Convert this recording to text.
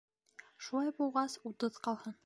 Шулай булғас, утыҙ ҡалһын.